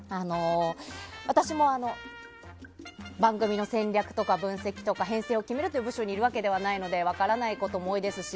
私も番組の戦略とか分析とか編成を決めるという部署にいるわけではないので分からないことも多いですし